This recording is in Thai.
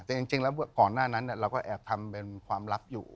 แต่จริงแล้วก่อนหน้านั้นเราก็แอบทำเป็นความลับอยู่